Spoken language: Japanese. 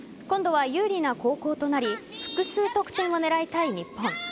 今度は有利な後攻となり複数得点を狙いたい日本。